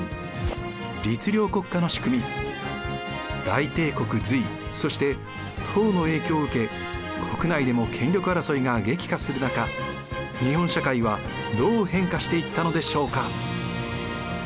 大帝国隋そして唐の影響を受け国内でも権力争いが激化する中日本社会はどう変化していったのでしょうか？